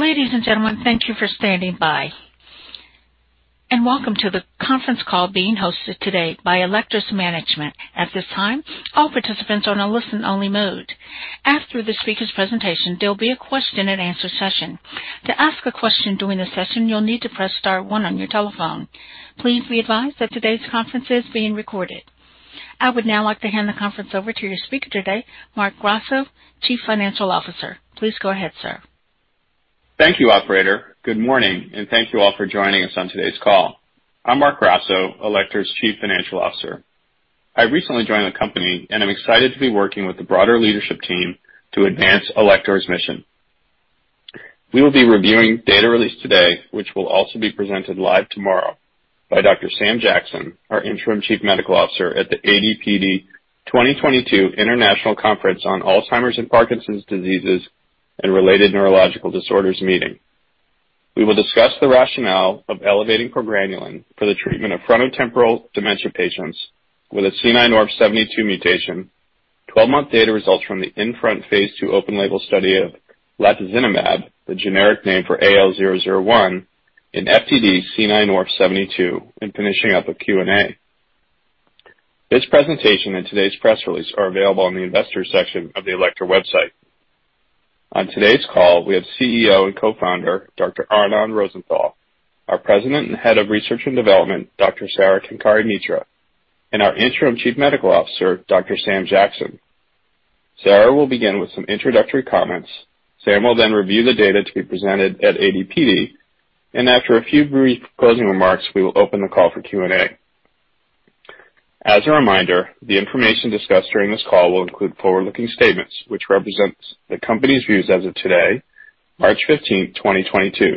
Ladies and gentlemen, thank you for standing by, and welcome to the conference call being hosted today by Alector's Management. At this time, all participants are on a listen only mode. After the speaker's presentation, there'll be a question-and-answer session. To ask a question during the session, you'll need to press star one on your telephone. Please be advised that today's conference is being recorded. I would now like to hand the conference over to your speaker today, Marc Grasso, Chief Financial Officer. Please go ahead, sir. Thank you, operator. Good morning, and thank you all for joining us on today's call. I'm Marc Grasso, Alector's Chief Financial Officer. I recently joined the company and am excited to be working with the broader leadership team to advance Alector's mission. We will be reviewing data released today, which will also be presented live tomorrow by Dr. Sam Jackson, our interim Chief Medical Officer at the AD/PD 2022 International Conference on Alzheimer's Diseases and related neurological disorders meeting. We will discuss the rationale of elevating progranulin for the treatment of frontotemporal dementia patients with a C9orf72 mutation, 12-month data results from the INFRONT-2 phase II open-label study of latozinemab, the generic name for AL001 in FTD-C9orf72, and finishing up with Q&A. This presentation and today's press release are available on the Investors section of the Alector website. On today's call, we have CEO and Co-founder, Dr. Arnon Rosenthal, our President and Head of Research and Development, Dr. Sara Kenkare-Mitra, and our interim Chief Medical Officer, Dr. Sam Jackson. Sara will begin with some introductory comments. Sam will then review the data to be presented at AD/PD, and after a few brief closing remarks, we will open the call for Q&A. As a reminder, the information discussed during this call will include forward-looking statements which represents the company's views as of today, March 15th, 2022.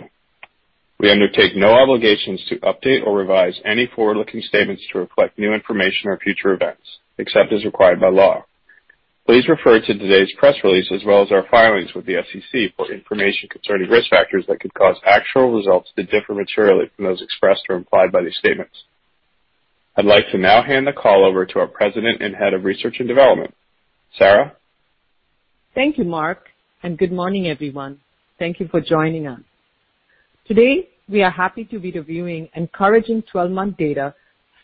We undertake no obligations to update or revise any forward-looking statements to reflect new information or future events, except as required by law. Please refer to today's press release, as well as our filings with the SEC for information concerning risk factors that could cause actual results to differ materially from those expressed or implied by these statements. I'd like to now hand the call over to our President and Head of Research and Development, Sara? Thank you, Marc, and good morning, everyone. Thank you for joining us. Today, we are happy to be reviewing encouraging 12-month data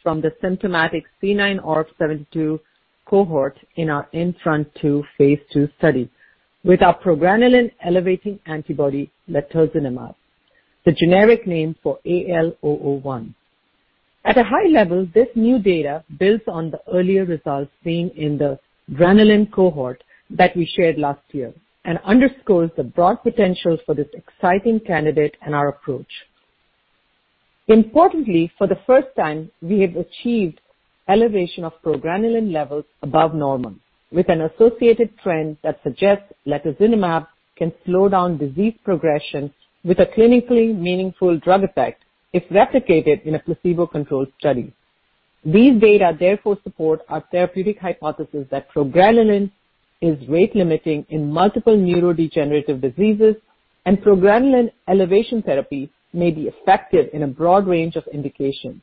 from the symptomatic C9orf72 cohort in our INFRONT-2 phase II study with our progranulin elevating antibody latozinemab, the generic name for AL001. At a high level, this new data builds on the earlier results seen in the GRN cohort that we shared last year and underscores the broad potentials for this exciting candidate and our approach. Importantly, for the first time, we have achieved elevation of progranulin levels above normal, with an associated trend that suggests latozinemab can slow down disease progression with a clinically meaningful drug effect if replicated in a placebo-controlled study. These data therefore support our therapeutic hypothesis that progranulin is rate limiting in multiple neurodegenerative diseases and progranulin elevation therapy may be effective in a broad range of indications.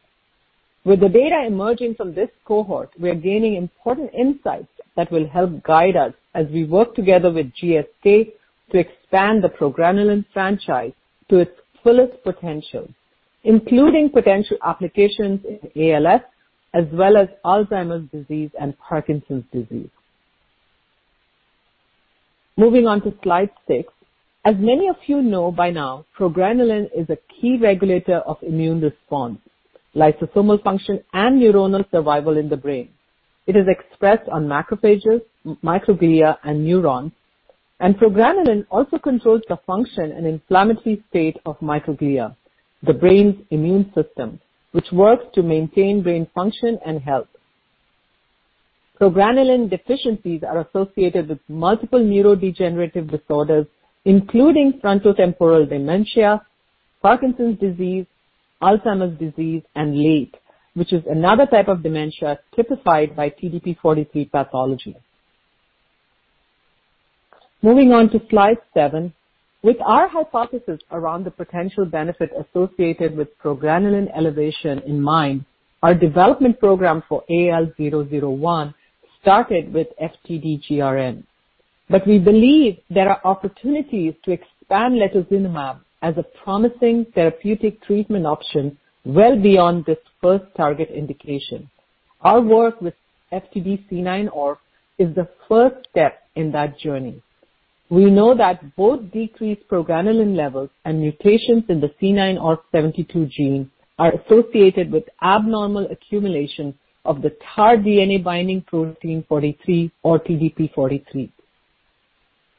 With the data emerging from this cohort, we are gaining important insights that will help guide us as we work together with GSK to expand the progranulin franchise to its fullest potential, including potential applications in ALS as well as Alzheimer's disease and Parkinson's disease. Moving on to slide six. As many of you know by now, progranulin is a key regulator of immune response, lysosomal function, and neuronal survival in the brain. It is expressed on macrophages, microglia, and neurons. Progranulin also controls the function and inflammatory state of microglia, the brain's immune system, which works to maintain brain function and health. Progranulin deficiencies are associated with multiple neurodegenerative disorders, including frontotemporal dementia, Parkinson's disease, Alzheimer's disease, and LATE, which is another type of dementia typified by TDP-43 pathology. Moving on to slide seven. With our hypothesis around the potential benefit associated with progranulin elevation in mind, our development program for AL001 started with FTD-GRN. We believe there are opportunities to expand latozinemab as a promising therapeutic treatment option well beyond this first target indication. Our work with FTD-C9orf72 is the first step in that journey. We know that both decreased progranulin levels and mutations in the C9orf72 gene are associated with abnormal accumulation of the TAR DNA-binding Protein 43 or TDP-43.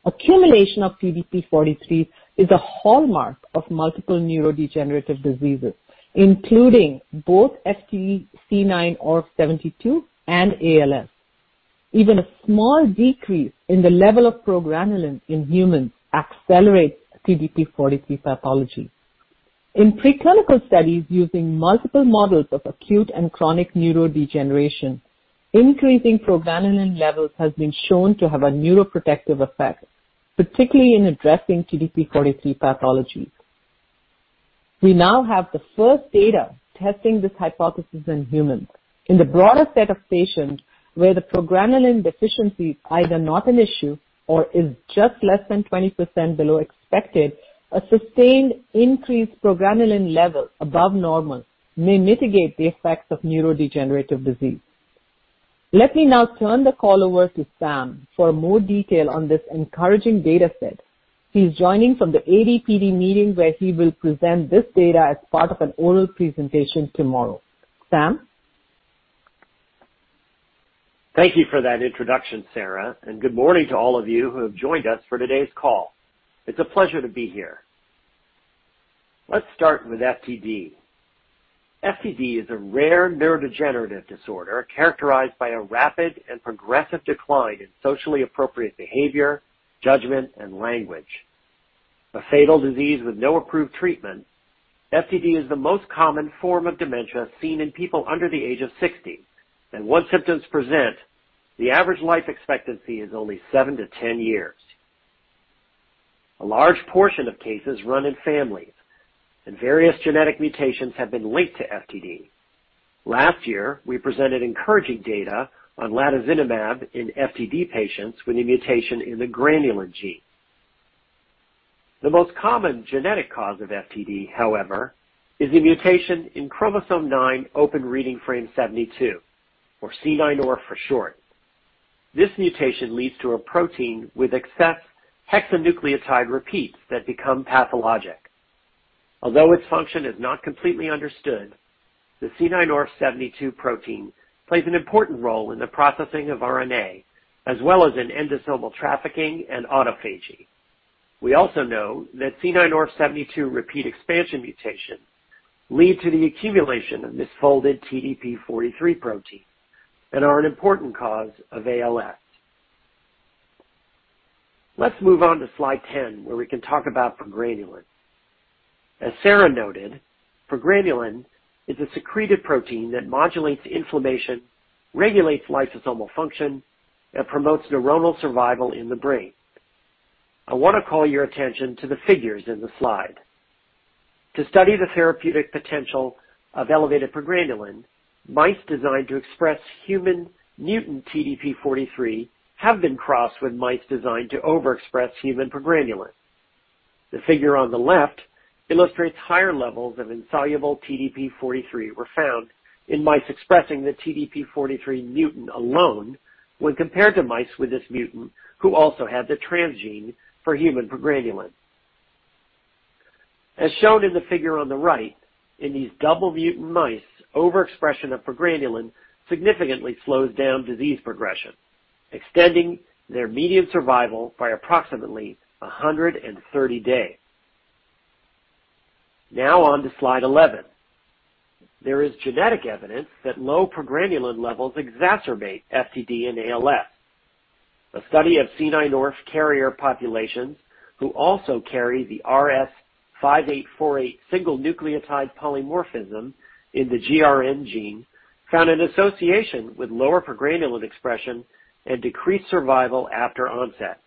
Accumulation of TDP-43 is a hallmark of multiple neurodegenerative diseases, including both FTD-C9orf72 and ALS. Even a small decrease in the level of progranulin in humans accelerates TDP-43 pathology. In preclinical studies using multiple models of acute and chronic neurodegeneration, increasing progranulin levels has been shown to have a neuroprotective effect, particularly in addressing TDP-43 pathology. We now have the first data testing this hypothesis in humans. In the broader set of patients, where the progranulin deficiency is either not an issue or is just less than 20% below expected, a sustained increased progranulin level above normal may mitigate the effects of neurodegenerative disease. Let me now turn the call over to Sam for more detail on this encouraging data set. He's joining from the AD/PD meeting, where he will present this data as part of an oral presentation tomorrow. Sam? Thank you for that introduction, Sara, and good morning to all of you who have joined us for today's call. It's a pleasure to be here. Let's start with FTD. FTD is a rare neurodegenerative disorder characterized by a rapid and progressive decline in socially appropriate behavior, judgment, and language. A fatal disease with no approved treatment, FTD is the most common form of dementia seen in people under the age of 60. Once symptoms present, the average life expectancy is only seven-10 years. A large portion of cases run in families, and various genetic mutations have been linked to FTD. Last year, we presented encouraging data on latozinemab in FTD patients with a mutation in the granulin gene. The most common genetic cause of FTD, however, is a mutation in chromosome nine open reading frame 72, or C9orf72 for short. This mutation leads to a protein with excess hexanucleotide repeats that become pathologic. Although its function is not completely understood, the C9orf72 protein plays an important role in the processing of RNA, as well as in endosomal trafficking and autophagy. We also know that C9orf72 repeat expansion mutations lead to the accumulation of misfolded TDP-43 protein and are an important cause of ALS. Let's move on to slide 10, where we can talk about progranulin. As Sara noted, progranulin is a secreted protein that modulates inflammation, regulates lysosomal function, and promotes neuronal survival in the brain. I want to call your attention to the figures in the slide. To study the therapeutic potential of elevated progranulin, mice designed to express human mutant TDP-43 have been crossed with mice designed to overexpress human progranulin. The figure on the left illustrates higher levels of insoluble TDP-43 were found in mice expressing the TDP-43 mutant alone when compared to mice with this mutant who also had the transgene for human progranulin. As shown in the figure on the right, in these double mutant mice, overexpression of progranulin significantly slows down disease progression, extending their median survival by approximately 130 days. Now on to slide 11. There is genetic evidence that low progranulin levels exacerbate FTD and ALS. A study of C9orf72 carrier populations who also carry the rs5848 single nucleotide polymorphism in the GRN gene found an association with lower progranulin expression and decreased survival after onset.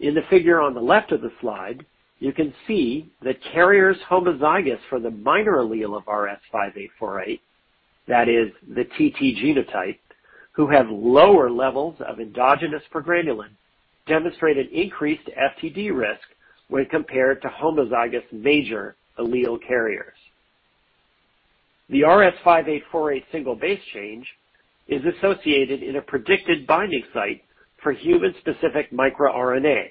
In the figure on the left of the slide, you can see that carriers homozygous for the minor allele of rs5848, that is the TT genotype, who have lower levels of endogenous progranulin, demonstrate an increased FTD risk when compared to homozygous major allele carriers. The rs5848 single base change is associated in a predicted binding site for human-specific microRNA.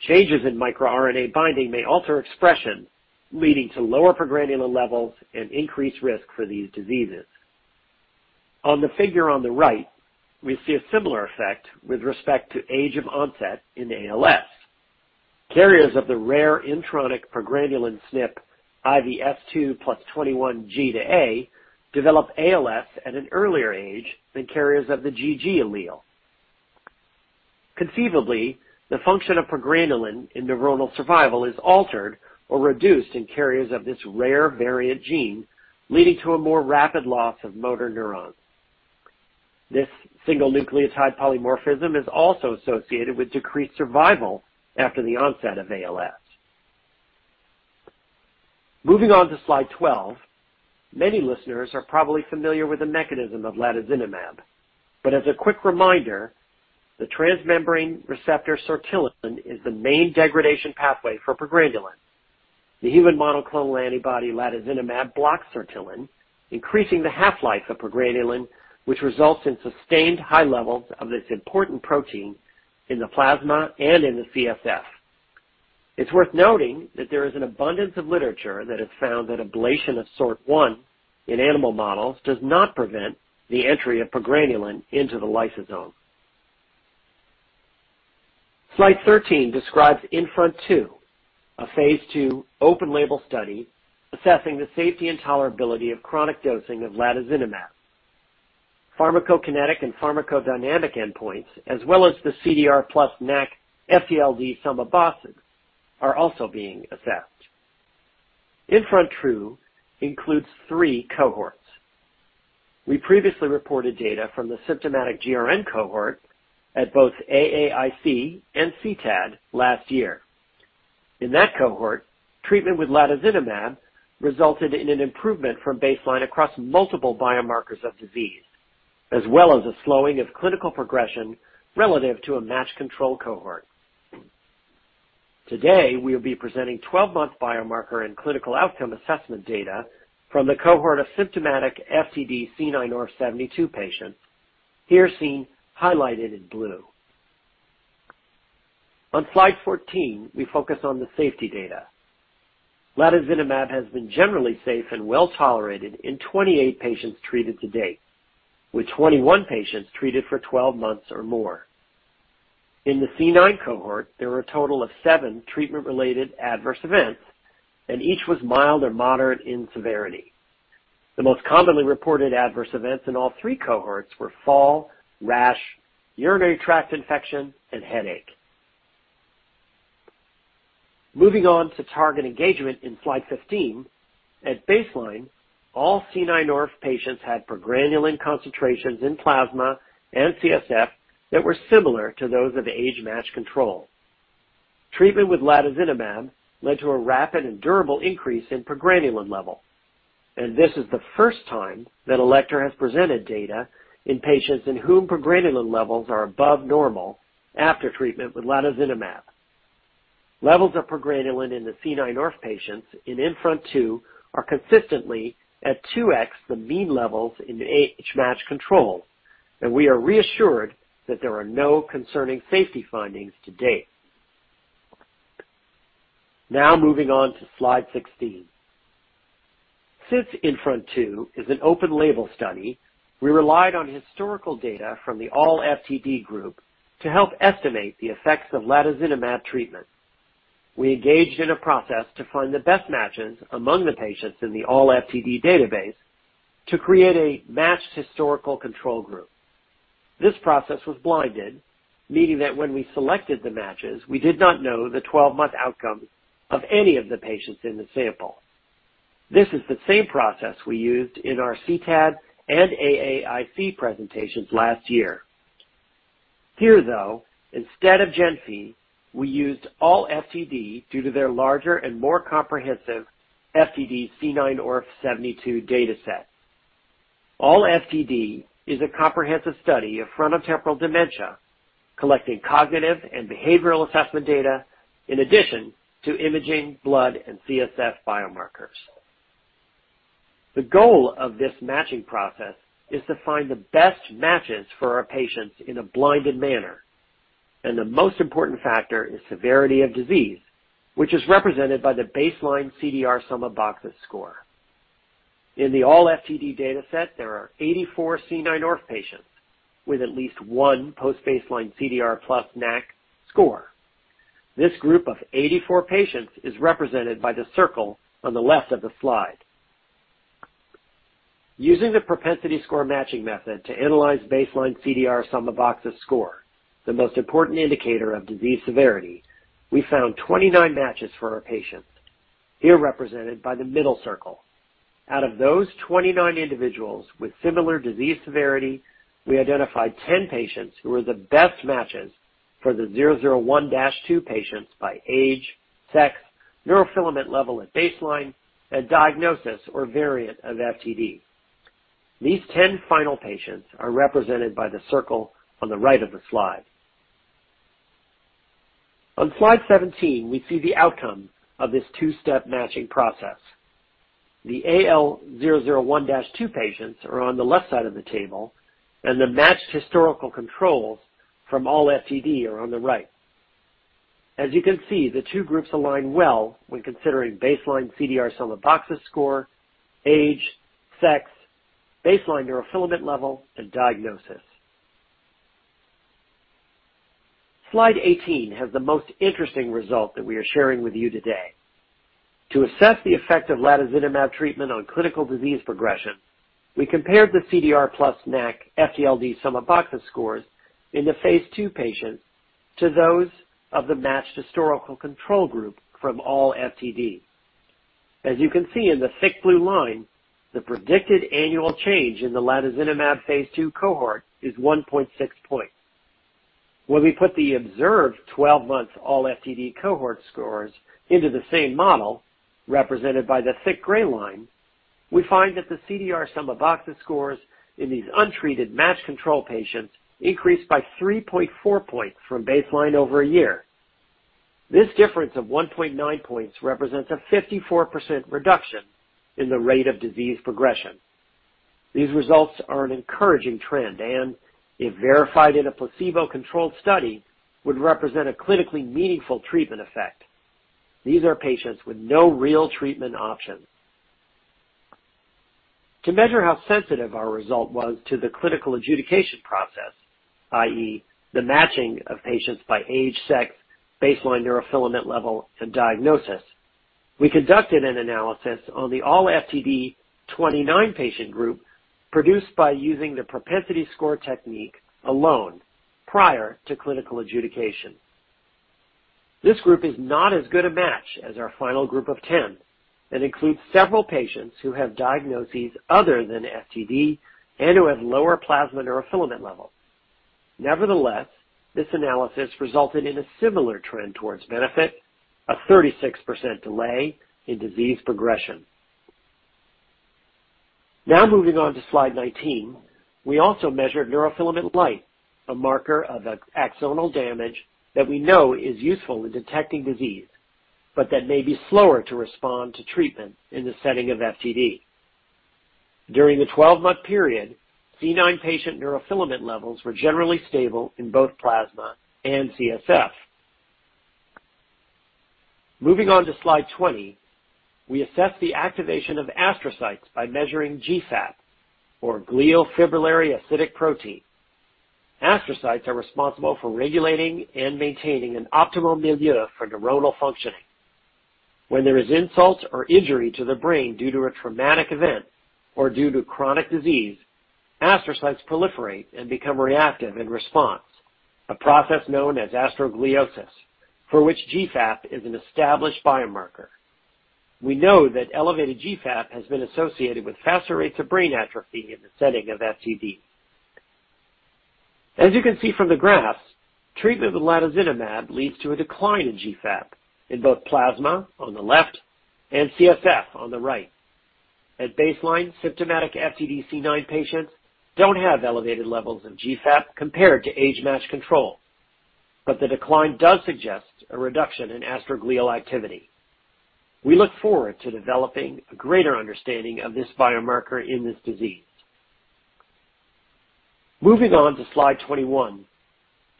Changes in microRNA binding may alter expression, leading to lower progranulin levels and increased risk for these diseases. On the figure on the right, we see a similar effect with respect to age of onset in ALS. Carriers of the rare intronic progranulin SNP IVS2+21G>A develop ALS at an earlier age than carriers of the GG allele. Conceivably, the function of progranulin in neuronal survival is altered or reduced in carriers of this rare variant gene, leading to a more rapid loss of motor neurons. This single nucleotide polymorphism is also associated with decreased survival after the onset of ALS. Moving on to slide 12. Many listeners are probably familiar with the mechanism of latozinemab. As a quick reminder, the transmembrane receptor sortilin is the main degradation pathway for progranulin. The human monoclonal antibody latozinemab blocks sortilin, increasing the half-life of progranulin, which results in sustained high levels of this important protein in the plasma and in the CSF. It's worth noting that there is an abundance of literature that has found that ablation of SORT1 in animal models does not prevent the entry of progranulin into the lysosome. Slide 13 describes INFRONT-2, a phase II open-label study assessing the safety and tolerability of chronic dosing of latozinemab. Pharmacokinetic and pharmacodynamic endpoints, as well as the CDR plus NACC FTLD-Sum of Boxes are also being assessed. INFRONT-2 includes three cohorts. We previously reported data from the symptomatic GRN cohort at both AAIC and CTAD last year. In that cohort, treatment with latozinemab resulted in an improvement from baseline across multiple biomarkers of disease, as well as a slowing of clinical progression relative to a matched control cohort. Today, we'll be presenting 12-month biomarker and clinical outcome assessment data from the cohort of symptomatic FTD-C9orf72 patients, here seen highlighted in blue. On slide 14, we focus on the safety data. Latozinemab has been generally safe and well-tolerated in 28 patients treated to date, with 21 patients treated for 12 months or more. In the C9orf72 cohort, there were a total of seven treatment-related adverse events, and each was mild or moderate in severity. The most commonly reported adverse events in all three cohorts were fall, rash, urinary tract infection, and headache. Moving on to target engagement in slide 15, at baseline, all C9orf72 patients had progranulin concentrations in plasma and CSF that were similar to those of age-matched control. Treatment with latozinemab led to a rapid and durable increase in progranulin level, and this is the first time that Alector has presented data in patients in whom progranulin levels are above normal after treatment with latozinemab. Levels of progranulin in the C9orf72 patients in INFRONT-2 are consistently at 2x the mean levels in the age-matched control, and we are reassured that there are no concerning safety findings to date. Now moving on to slide 16. Since INFRONT-2 is an open-label study, we relied on historical data from the ALLFTD group to help estimate the effects of latozinemab treatment. We engaged in a process to find the best matches among the patients in the ALLFTD database to create a matched historical control group. This process was blinded, meaning that when we selected the matches, we did not know the 12-month outcome of any of the patients in the sample. This is the same process we used in our CTAD and AAIC presentations last year. Here, though, instead of GENFI, we used ALLFTD due to their larger and more comprehensive FTD C9orf72 dataset. ALLFTD is a comprehensive study of frontotemporal dementia, collecting cognitive and behavioral assessment data in addition to imaging, blood, and CSF biomarkers. The goal of this matching process is to find the best matches for our patients in a blinded manner, and the most important factor is severity of disease, which is represented by the baseline CDR Sum of Boxes score. In the ALLFTD dataset, there are 84 C9orf72 patients with at least one post-baseline CDR plus NACC score. This group of 84 patients is represented by the circle on the left of the slide. Using the propensity score matching method to analyze baseline CDR Sum of Boxes score, the most important indicator of disease severity, we found 29 matches for our patients, here represented by the middle circle. Out of those 29 individuals with similar disease severity, we identified 10 patients who were the best matches for the AL001-2 patients by age, sex, neurofilament level at baseline, and diagnosis or variant of FTD. These 10 final patients are represented by the circle on the right of the slide. On slide 17, we see the outcome of this two-step matching process. The AL001-2 patients are on the left side of the table, and the matched historical controls from ALLFTD are on the right. As you can see, the two groups align well when considering baseline CDR Sum of Boxes score, age, sex, baseline neurofilament level, and diagnosis. Slide 18 has the most interesting result that we are sharing with you today. To assess the effect of latozinemab treatment on clinical disease progression, we compared the CDR plus NACC FTLD Sum of Boxes scores in the phase II patients to those of the matched historical control group from ALLFTD. As you can see in the thick blue line, the predicted annual change in the latozinemab phase II cohort is 1.6 points. When we put the observed 12-month ALLFTD cohort scores into the same model, represented by the thick gray line, we find that the CDR Sum of Boxes scores in these untreated matched control patients increased by 3.4 points from baseline over a year. This difference of 1.9 points represents a 54% reduction in the rate of disease progression. These results are an encouraging trend and, if verified in a placebo-controlled study, would represent a clinically meaningful treatment effect. These are patients with no real treatment options. To measure how sensitive our result was to the clinical adjudication process, i.e., the matching of patients by age, sex, baseline neurofilament level, and diagnosis, we conducted an analysis on the ALLFTD 29 patient group produced by using the propensity score technique alone prior to clinical adjudication. This group is not as good a match as our final group of 10 and includes several patients who have diagnoses other than FTD and who have lower plasma neurofilament levels. Nevertheless, this analysis resulted in a similar trend towards benefit, a 36% delay in disease progression. Now moving on to slide 19. We also measured neurofilament light, a marker of axonal damage that we know is useful in detecting disease, but that may be slower to respond to treatment in the setting of FTD. During the 12-month period, C9 patient neurofilament levels were generally stable in both plasma and CSF. Moving on to slide 20. We assessed the activation of astrocytes by measuring GFAP or glial fibrillary acidic protein. Astrocytes are responsible for regulating and maintaining an optimal milieu for neuronal functioning. When there is insult or injury to the brain due to a traumatic event or due to chronic disease, astrocytes proliferate and become reactive in response, a process known as astrogliosis, for which GFAP is an established biomarker. We know that elevated GFAP has been associated with faster rates of brain atrophy in the setting of FTD. As you can see from the graphs, treatment with latozinemab leads to a decline in GFAP in both plasma on the left and CSF on the right. At baseline, symptomatic FTD C9 patients don't have elevated levels of GFAP compared to age-matched control, but the decline does suggest a reduction in astroglial activity. We look forward to developing a greater understanding of this biomarker in this disease. Moving on to slide 21.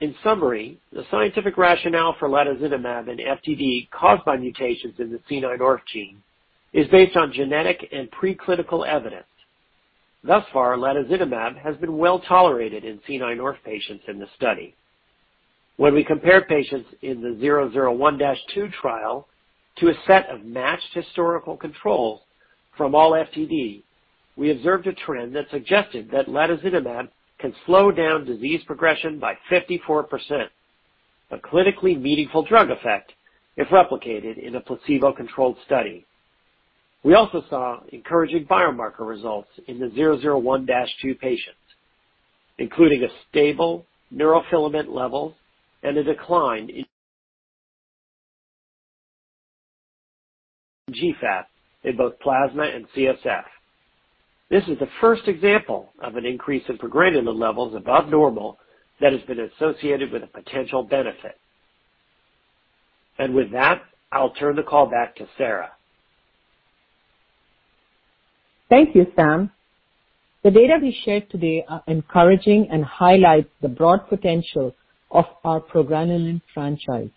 In summary, the scientific rationale for latozinemab in FTD caused by mutations in the C9orf72 gene is based on genetic and preclinical evidence. Thus far, latozinemab has been well tolerated in C9orf72 patients in the study. When we compare patients in the 001-2 trial to a set of matched historical controls from ALLFTD, we observed a trend that suggested that latozinemab can slow down disease progression by 54%, a clinically meaningful drug effect if replicated in a placebo-controlled study. We also saw encouraging biomarker results in the 001-2 patients, including a stable neurofilament level and a decline in GFAP in both plasma and CSF. This is the first example of an increase in progranulin levels above normal that has been associated with a potential benefit. With that, I'll turn the call back to Sara. Thank you, Sam. The data we shared today are encouraging and highlight the broad potential of our progranulin franchise.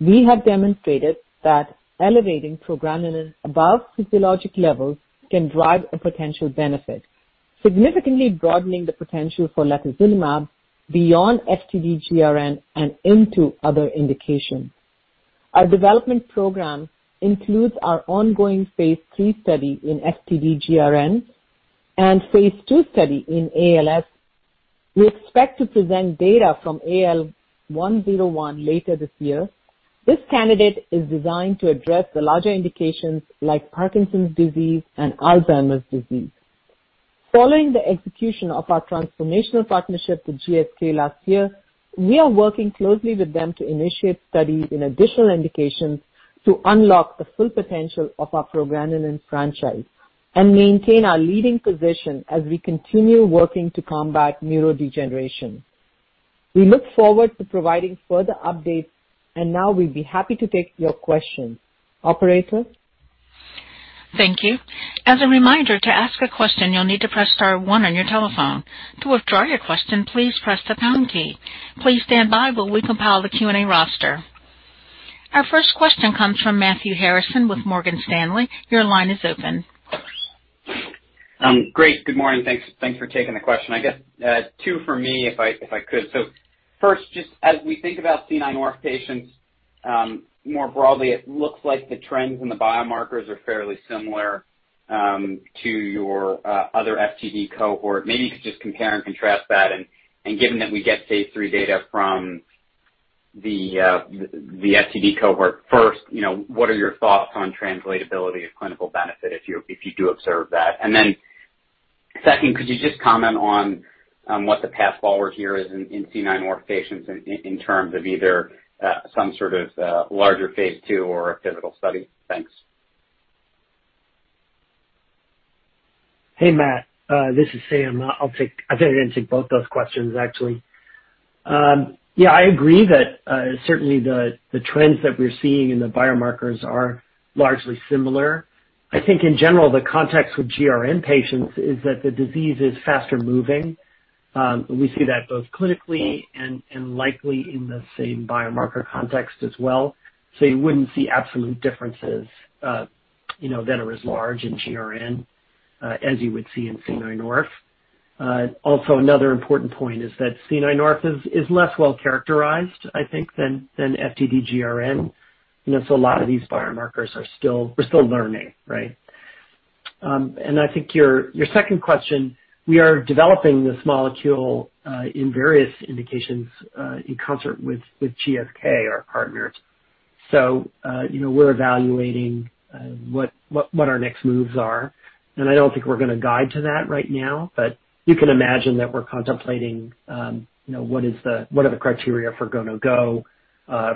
We have demonstrated that elevating progranulin above physiologic levels can drive a potential benefit, significantly broadening the potential for latozinemab beyond FTD-GRN and into other indications. Our development program includes our ongoing phase III study in FTD-GRN and phase II study in ALS. We expect to present data from AL101 later this year. This candidate is designed to address the larger indications like Parkinson's disease and Alzheimer's disease. Following the execution of our transformational partnership with GSK last year, we are working closely with them to initiate studies in additional indications to unlock the full potential of our progranulin franchise and maintain our leading position as we continue working to combat neurodegeneration. We look forward to providing further updates and now we'd be happy to take your questions. Operator? Thank you. As a reminder, to ask a question, you'll need to press star one on your telephone. To withdraw your question, please press the pound key. Please stand by while we compile the Q&A roster. Our first question comes from Matthew Harrison with Morgan Stanley. Your line is open. Great. Good morning. Thanks for taking the question. I guess two for me, if I could. First, just as we think about C9orf72 patients more broadly, it looks like the trends in the biomarkers are fairly similar to your other FTD cohort. Maybe you could just compare and contrast that. Given that we get phase III data from the FTD cohort first, you know, what are your thoughts on translatability of clinical benefit if you do observe that? Second, could you just comment on what the path forward here is in C9orf72 patients in terms of either some sort of larger phase II or a pivotal study? Thanks. Hey, Matt, this is Sam. I'm gonna take both those questions, actually. Yeah, I agree that certainly the trends that we're seeing in the biomarkers are largely similar. I think in general, the context with GRN patients is that the disease is faster moving. We see that both clinically and likely in the same biomarker context as well. You wouldn't see absolute differences, you know, that are as large in GRN as you would see in C9orf72. Also another important point is that C9orf72 is less well-characterized, I think, than FTD-GRN. You know, a lot of these biomarkers, we're still learning, right? I think your second question, we are developing this molecule in various indications in concert with GSK, our partners. You know, we're evaluating what our next moves are, and I don't think we're gonna guide to that right now. You can imagine that we're contemplating, you know, what are the criteria for go/no go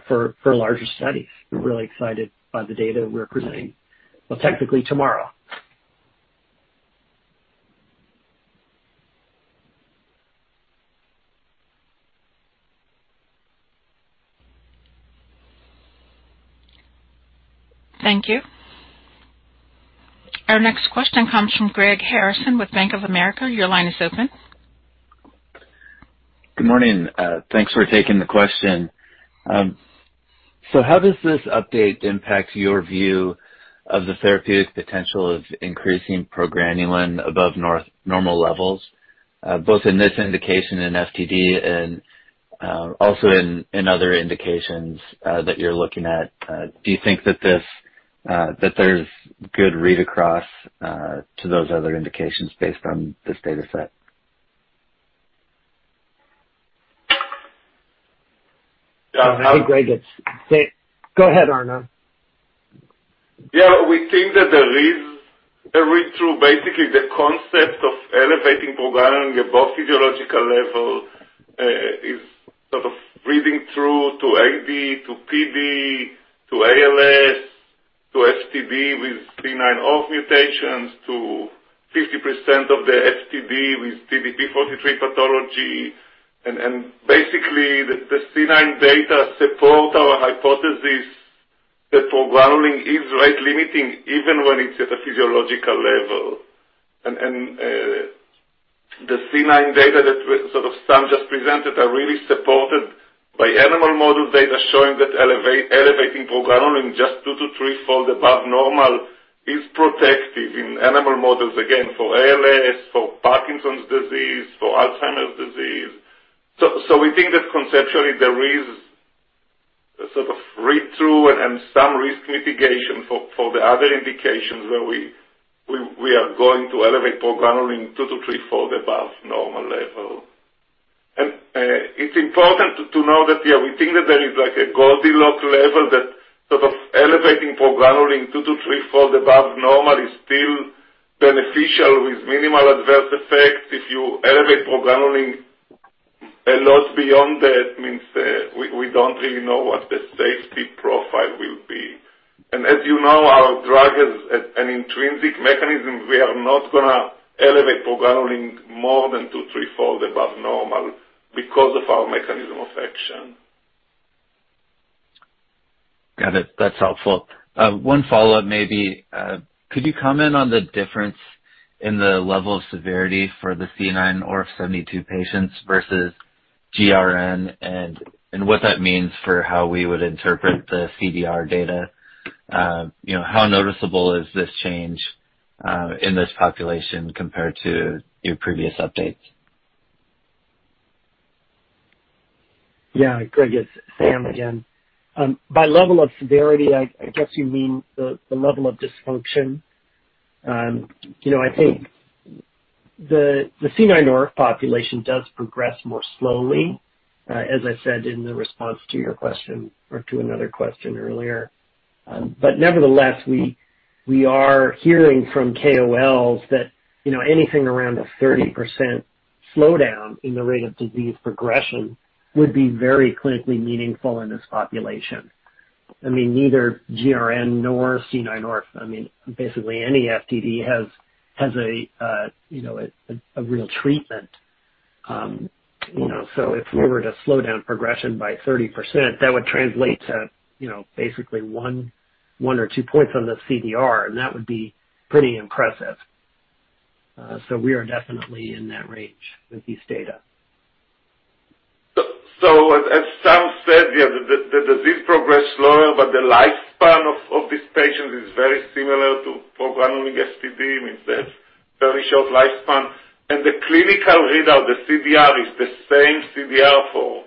for larger studies. We're really excited by the data we're presenting, well, technically tomorrow. Thank you. Our next question comes from Greg Harrison with Bank of America. Your line is open. Good morning. Thanks for taking the question. So how does this update impact your view of the therapeutic potential of increasing progranulin above normal levels, both in this indication in FTD and also in other indications that you're looking at? Do you think that there's good read across to those other indications based on this data set? Yeah. Hey, Greg, it's. Go ahead, Arnon. Yeah. We think that there is a read-through. Basically, the concept of elevating progranulin above physiological level is sort of reading through to AD, to PD, to ALS, to FTD with C9orf mutations, to 50% of the FTD with TDP-43 pathology. Basically, the C9 data support our hypothesis that progranulin is rate-limiting, even when it's at a physiological level. The C9 data that sort of Sam just presented are really supported by animal model data showing that elevating progranulin just two to threefold above normal is protective in animal models, again, for ALS, for Parkinson's disease, for Alzheimer's disease. We think that conceptually there is a sort of read-through and some risk mitigation for the other indications where we are going to elevate progranulin two to threefold above normal level. It's important to know that, yeah, we think that there is like a Goldilocks level, that sort of elevating progranulin two to three-fold above normal is still beneficial with minimal adverse effects. If you elevate progranulin a lot beyond that means we don't really know what the safety profile will be. As you know, our drug has an intrinsic mechanism. We are not gonna elevate progranulin more than two to three-fold above normal because of our mechanism of action. Got it. That's helpful. One follow-up maybe. Could you comment on the difference in the level of severity for the C9orf72 patients versus GRN, and what that means for how we would interpret the CDR data? You know, how noticeable is this change in this population compared to your previous updates? Yeah. Greg, it's Sam again. By level of severity, I guess you mean the level of dysfunction. You know, I think the C9orf72 population does progress more slowly, as I said in the response to your question or to another question earlier. Nevertheless, we are hearing from KOLs that, you know, anything around a 30% slowdown in the rate of disease progression would be very clinically meaningful in this population. I mean, neither GRN nor C9orf72. I mean, basically any FTD has a real treatment. You know, if we were to slow down progression by 30%, that would translate to, you know, basically one or two points on the CDR, and that would be pretty impressive. We are definitely in that range with these data. As Sam said, yeah, the disease progressed slower, but the lifespan of these patients is very similar to progranulin FTD, means a very short lifespan. The clinical readout, the CDR, is the same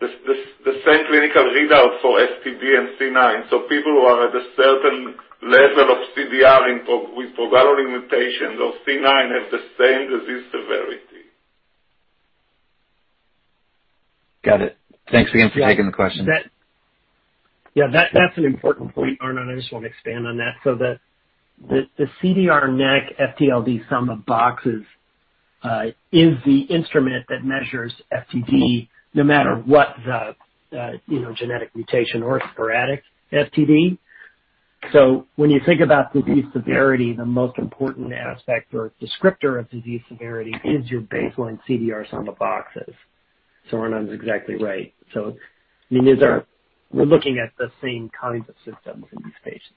clinical readout for FTD and C9. People who are at a certain level of CDR with progranulin mutations or C9 have the same disease severity. Got it. Thanks again for taking the question. That's an important point, Arnon. I just want to expand on that. The CDR-NACC-FTLD Sum of Boxes is the instrument that measures FTD no matter what the, you know, genetic mutation or sporadic FTD. When you think about disease severity, the most important aspect or descriptor of disease severity is your baseline CDR Sum of Boxes. Arnon is exactly right. I mean, we're looking at the same kinds of symptoms in these patients.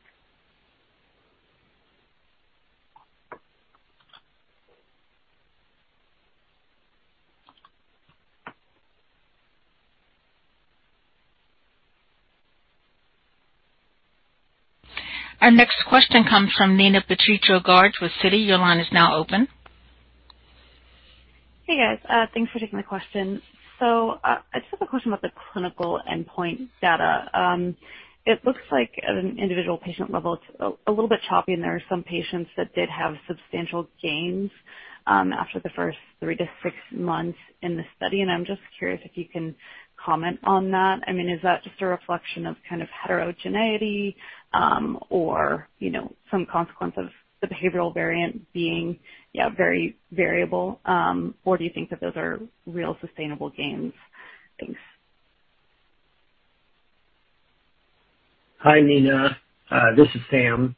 Our next question comes from Neena Bitritto-Garg with Citi. Your line is now open. Hey, guys. Thanks for taking my question. I just have a question about the clinical endpoint data. It looks like at an individual patient level, it's a little bit choppy, and there are some patients that did have substantial gains after the first three-month months in the study. I'm just curious if you can comment on that. I mean, is that just a reflection of kind of heterogeneity, or you know, some consequence of the behavioral variant being, yeah, very variable, or do you think that those are real sustainable gains? Thanks. Hi, Neena. This is Sam.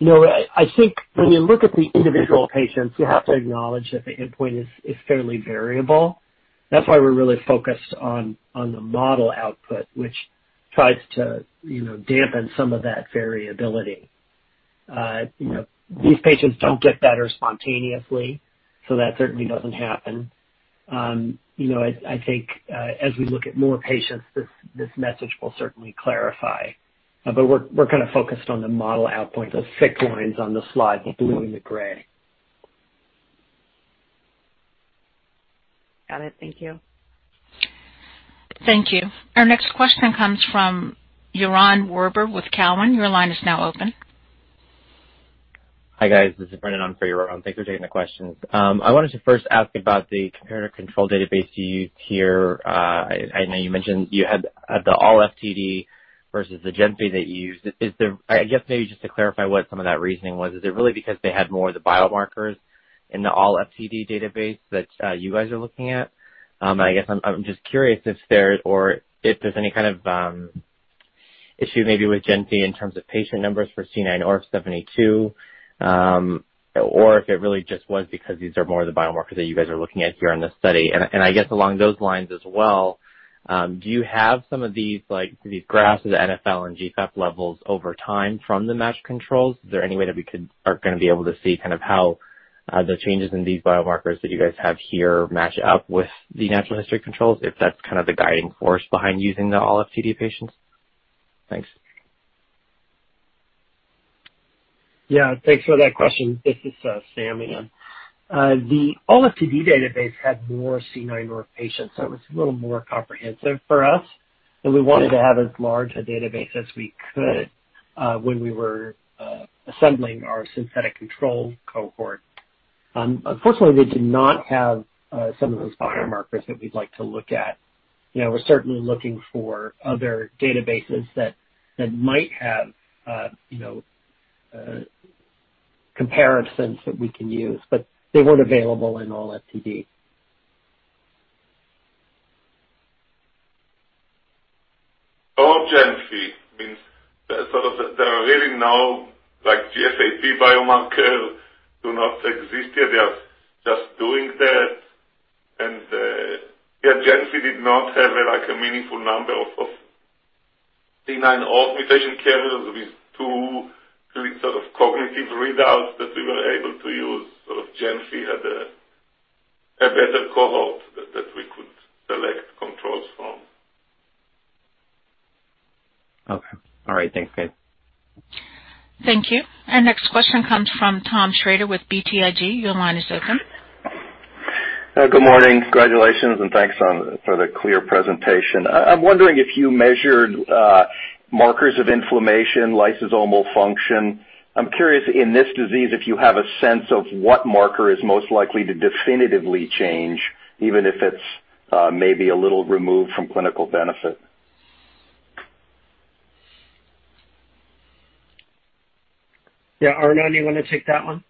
You know, I think when you look at the individual patients, you have to acknowledge that the endpoint is fairly variable. That's why we're really focused on the model output, which tries to, you know, dampen some of that variability. You know, these patients don't get better spontaneously, so that certainly doesn't happen. You know, I think as we look at more patients, this message will certainly clarify. We're kind of focused on the model output, those thick lines on the slide, the blue and the gray. Got it. Thank you. Thank you. Our next question comes from Yaron Werber with Cowen. Your line is now open. Hi, guys. This is Brendan on for Yaron. Thanks for taking the questions. I wanted to first ask about the comparator control database you used here. I know you mentioned you had the ALLFTD versus the GENFI that you used. I guess maybe just to clarify what some of that reasoning was. Is it really because they had more of the biomarkers in the ALLFTD database that you guys are looking at? I guess I'm just curious if there's any kind of issue maybe with GENFI in terms of patient numbers for C9orf72, or if it really just was because these are more of the biomarkers that you guys are looking at here in this study. I guess along those lines as well, do you have some of these, like, these graphs of the NFL and GFAP levels over time from the matched controls? Is there any way that we are gonna be able to see kind of how the changes in these biomarkers that you guys have here match up with the natural history controls, if that's kind of the guiding force behind using the ALLFTD patients? Thanks. Yeah. Thanks for that question. This is Sam, again. The ALLFTD database had more C9orf72 patients, so it was a little more comprehensive for us, but we wanted to have as large a database as we could when we were assembling our synthetic control cohort. Unfortunately, they did not have some of those biomarkers that we'd like to look at. You know, we're certainly looking for other databases that might have comparisons that we can use, but they weren't available in ALLFTD. GENFI means sort of there are really no, like, GFAP biomarker do not exist yet. They are just doing that. Yeah, GENFI did not have a, like, a meaningful number of C9orf72 mutation carriers with two sort of cognitive readouts that we were able to use. Sort of GENFI had a better cohort that we could select controls from. Okay. All right. Thanks. Thank you. Our next question comes from Thomas Shrader with BTIG. Your line is open. Good morning. Congratulations, and thanks for the clear presentation. I'm wondering if you measured markers of inflammation, lysosomal function. I'm curious, in this disease, if you have a sense of what marker is most likely to definitively change, even if it's maybe a little removed from clinical benefit. Yeah, Arnon, do you wanna take that one?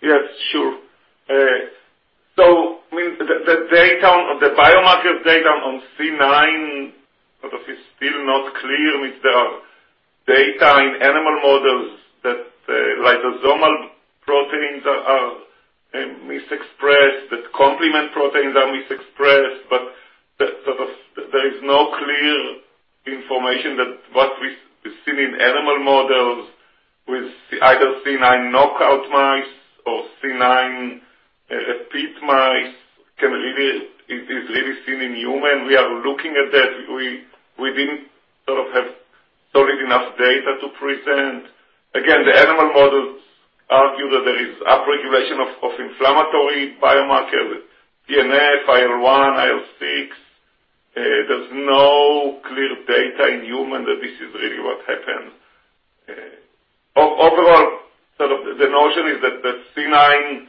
Yes, sure. I mean, the data, the biomarker data on C9 sort of is still not clear. I mean, there are data in animal models that lysosomal proteins are mis expressed, that complement proteins are mis expressed, but sort of, there is no clear information that what we see in animal models with either C9 knockout mice or C9 repeat mice is really seen in human. We are looking at that. We didn't sort of have solid enough data to present. Again, the animal models argue that there is upregulation of inflammatory biomarkers, TNF, IL-1, IL-6. There's no clear data in human that this is really what happens. Overall, sort of the notion is that the C9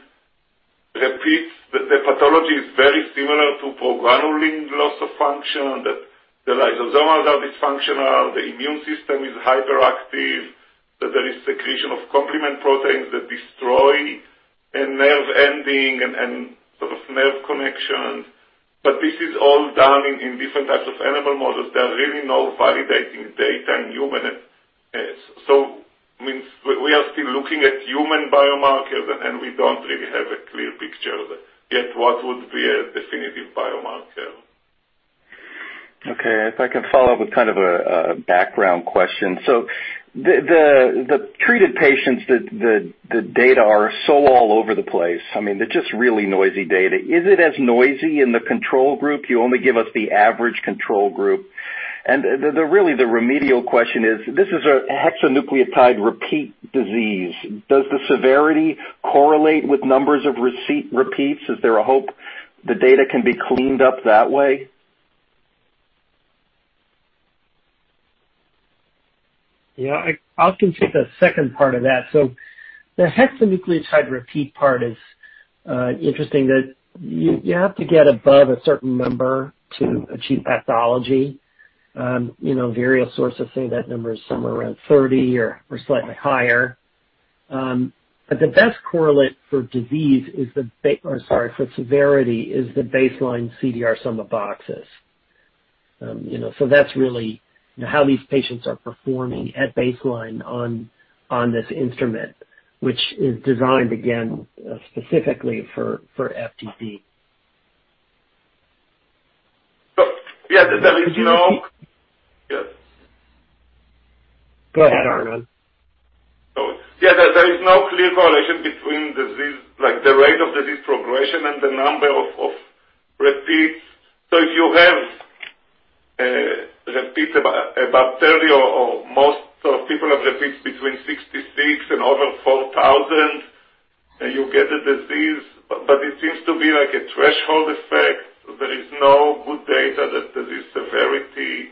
repeats, the pathology is very similar to progranulin loss of function, that the lysosomes are dysfunctional, the immune system is hyperactive, that there is secretion of complement proteins that destroy a nerve ending and sort of nerve connections. This is all done in different types of animal models. There are really no validating data in human. Means we are still looking at human biomarkers, and we don't really have a clear picture yet what would be a definitive biomarker. Okay. If I can follow up with kind of a background question. The treated patients that the data are so all over the place, I mean, they're just really noisy data. Is it as noisy in the control group? You only give us the average control group. The really remedial question is, this is a hexanucleotide repeat disease. Does the severity correlate with numbers of repeat repeats? Is there a hope the data can be cleaned up that way? Yeah, I can take the second part of that. The hexanucleotide repeat part is interesting that you have to get above a certain number to achieve pathology. Various sources say that number is somewhere around 30 or slightly higher. But the best correlate for severity is the baseline CDR Sum of Boxes. That's really how these patients are performing at baseline on this instrument, which is designed again specifically for FTD. So yeah, there is no- Go ahead, Arnon. There is no clear correlation between disease, like the rate of disease progression and the number of repeats. If you have repeats about 30 or most people have repeats between 66 and over 4,000, and you get the disease. It seems to be like a threshold effect. There is no good data that the disease severity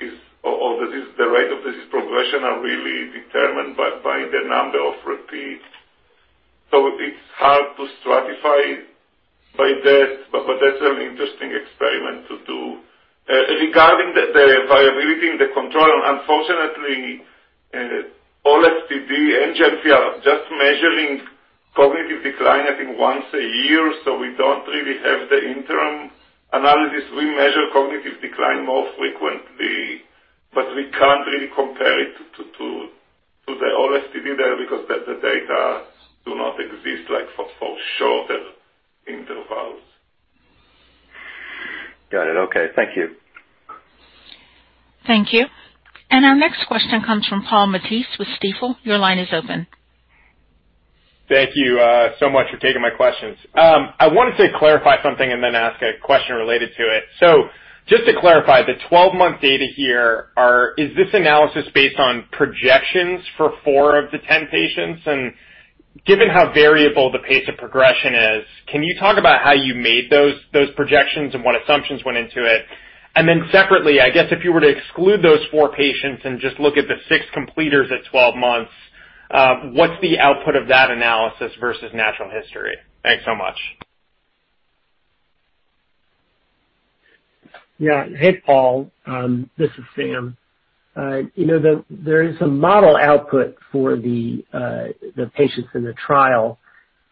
is or the rate of disease progression are really determined by the number of repeats. It's hard to stratify by that, but that's an interesting experiment to do. Regarding the viability in the control, unfortunately, all FTD agents, we are just measuring cognitive decline, I think, once a year. We don't really have the interim analysis. We measure cognitive decline more frequently, but we can't really compare it to the ALLFTD there because the data do not exist, like, for shorter intervals. Got it. Okay. Thank you. Thank you. Our next question comes from Paul Matteis with Stifel. Your line is open. Thank you so much for taking my questions. I wanted to clarify something and then ask a question related to it. Just to clarify, the 12-month data here is this analysis based on projections for four of the 10 patients? And given how variable the pace of progression is, can you talk about how you made those projections and what assumptions went into it? And then separately, I guess if you were to exclude those four patients and just look at the 6 completers at 12 months, what's the output of that analysis versus natural history? Thanks so much. Yeah. Hey, Paul, this is Sam. You know, there is a model output for the patients in the trial.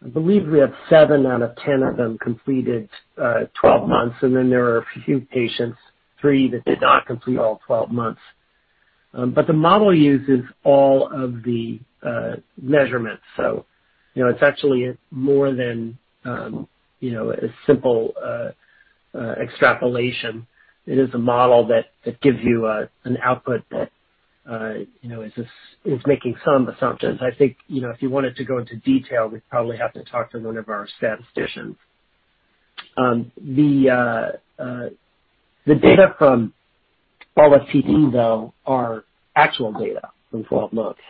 I believe we have seven out of 10 of them completed 12 months, and then there are a few patients, three, that did not complete all 12 months. The model uses all of the measurements. You know, it's actually more than you know a simple extrapolation. It is a model that gives you an output that you know is making some assumptions. I think, you know, if you wanted to go into detail, we'd probably have to talk to one of our statisticians. The data from ALLFTD, though, are actual data from 12 months.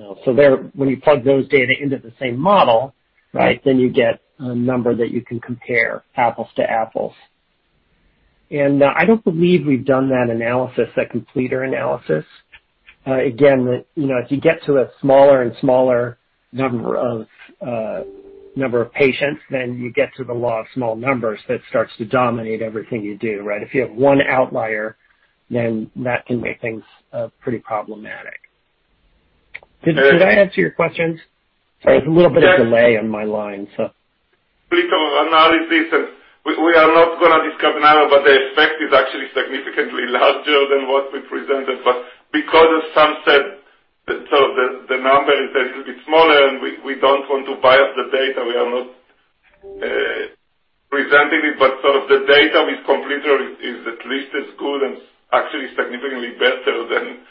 You know. When you plug those data into the same model, right, then you get a number that you can compare apples to apples. I don't believe we've done that analysis, that completer analysis. Again, you know, if you get to a smaller and smaller number of patients, then you get to the law of small numbers that starts to dominate everything you do, right? If you have one outlier, then that can make things pretty problematic. Did I answer your questions? Sorry, there's a little bit of delay on my line. Completer analysis and we are not gonna discuss now, but the effect is actually significantly larger than what we presented. Because of subset, the number is a little bit smaller and we don't want to bias the data, we are not presenting it. The data with completer is at least as good and actually significantly better than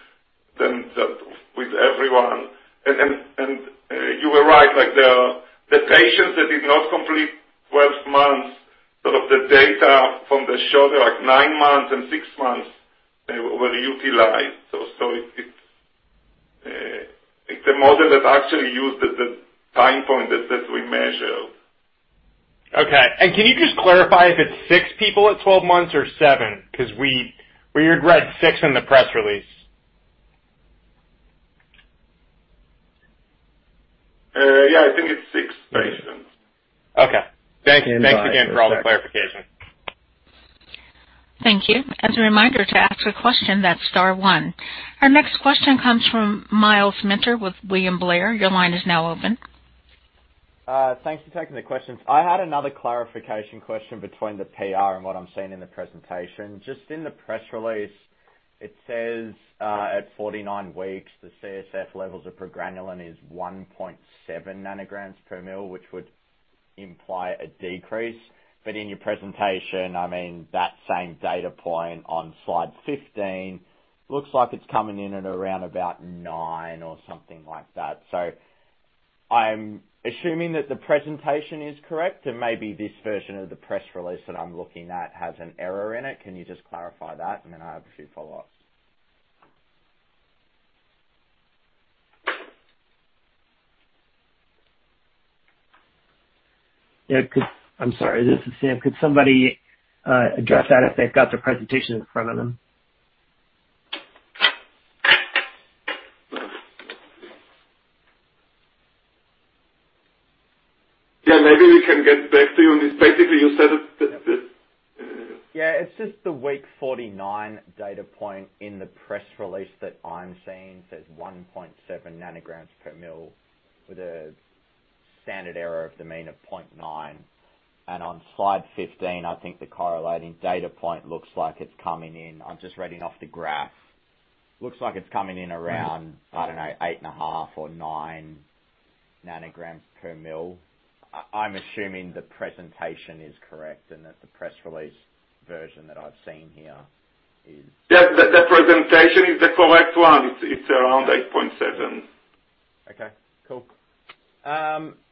that with everyone. You are right. Like, the patients that did not complete 12 months, sort of the data from the shorter, like nine months and six months were utilized. It's a model that actually used the time point that we measured. Okay. Can you just clarify if it's six people at 12 months or seven? 'Cause we had read six in the press release. Yeah, I think it's six patients. Okay. Thanks. Yeah. Thanks again for all the clarification. Thank you. As a reminder, to ask a question, that's star one. Our next question comes from Myles Minter with William Blair. Your line is now open. Thanks for taking the questions. I had another clarification question between the PR and what I'm seeing in the presentation. Just in the press release, it says, at 49 weeks, the CSF levels of progranulin is 1.7 nanograms per ml, which would imply a decrease. But in your presentation, I mean, that same data point on slide 15 looks like it's coming in at around about nine or something like that. So, I'm assuming that the presentation is correct, and maybe this version of the press release that I'm looking at has an error in it. Can you just clarify that? Then I have a few follow-ups. Yeah. I'm sorry, this is Sam. Could somebody address that if they've got the presentation in front of them? Yeah. Maybe we can get back to you on this. Basically, you said it. Yeah. It's just the week 49 data point in the press release that I'm seeing says 1.7 nanograms per ml, with a standard error of the mean of 0.9. On slide 15, I think the correlating data point looks like it's coming in. I'm just reading off the graph. Looks like it's coming in around, I don't know, 8.5 or 9 nanograms per ml. I'm assuming the presentation is correct and that the press release version that I've seen here is- Yeah. The presentation is the correct one. It's around 8.7. Okay, cool.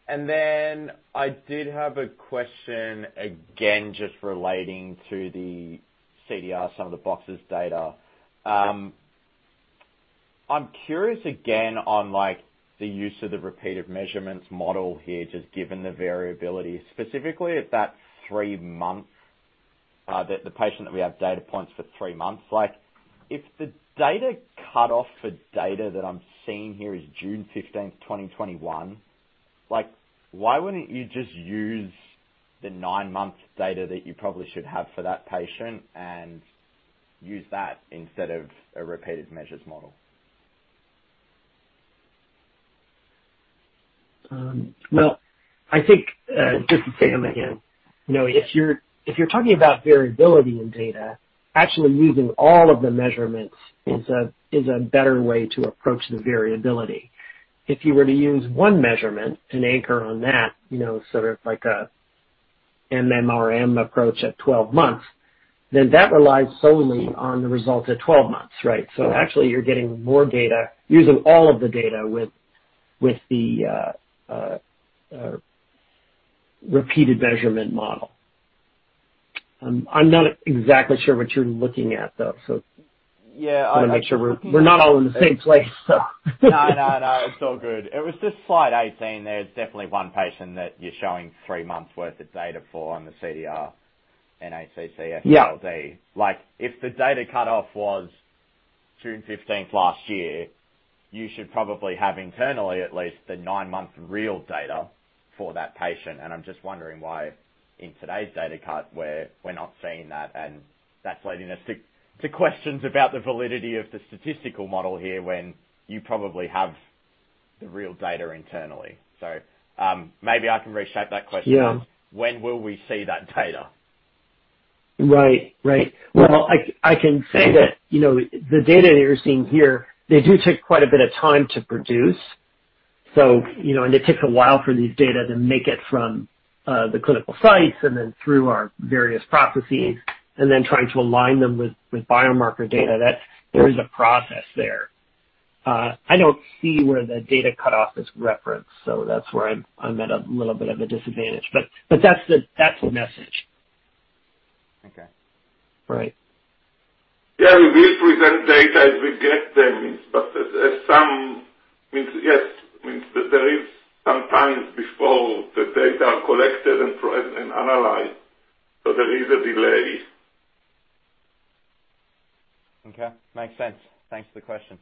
Then I did have a question, again, just relating to the CDR Sum of Boxes data. I'm curious again on, like, the use of the repeated measurements model here, just given the variability, specifically at that three-month, the patient that we have data points for three months. Like, if the data cut off for data that I'm seeing here is June 15, 2021, like, why wouldn't you just use the nine-month data that you probably should have for that patient and use that instead of a repeated measures model? Well, I think just to say on that again, you know, if you're talking about variability in data, actually using all of the measurements is a better way to approach the variability. If you were to use one measurement and anchor on that, you know, sort of like a MMRM approach at 12 months, then that relies solely on the result at 12 months, right? Actually you're getting more data using all of the data with the repeated measurement model. I'm not exactly sure what you're looking at though. Yeah. Wanna make sure we're not all in the same place. No, no. It's all good. It was just slide 18. There's definitely one patient that you're showing three months' worth of data for on the CDR-NACC-SB. Yeah. Like, if the data cutoff was June 15th last year, you should probably have internally at least the nine-month real data for that patient. I'm just wondering why in today's data cut we're not seeing that, and that's leading us to questions about the validity of the statistical model here when you probably have the real data internally. Maybe I can reshape that question. Yeah. When will we see that data? Right. Well, I can say that, you know, the data that you're seeing here, they do take quite a bit of time to produce, so, you know, and it takes a while for these data to make it from the clinical sites and then through our various processes and then trying to align them with biomarker data, that there is a process there. I don't see where the data cutoff is referenced, so that's where I'm at a little bit of a disadvantage. That's the message. Okay. Right. Yeah. We present data as we get them. At some point, I mean, yes, it means that there is some time before the data are collected and processed and analyzed, so there is a delay. Okay. Makes sense. Thanks for the question.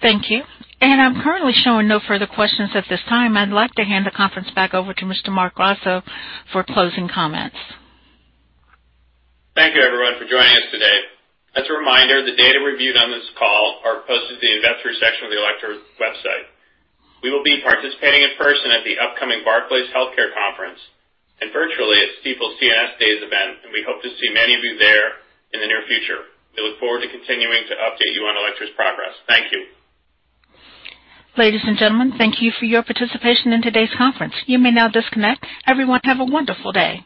Thank you. I'm currently showing no further questions at this time. I'd like to hand the conference back over to Mr. Marc Grasso for closing comments. Thank you everyone for joining us today. As a reminder, the data reviewed on this call are posted to the investor section of the Alector website. We will be participating in person at the upcoming Barclays Healthcare Conference and virtually at Stifel CNS Days event, and we hope to see many of you there in the near future. We look forward to continuing to update you on Alector's progress. Thank you. Ladies and gentlemen, thank you for your participation in today's conference. You may now disconnect. Everyone, have a wonderful day.